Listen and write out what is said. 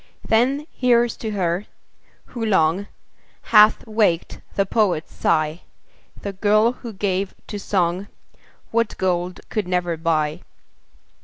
Then here's to her, who long Hath waked the poet's sigh, The girl who gave to song What gold could never buy.